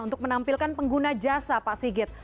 untuk menampilkan pengguna jasa pak sigit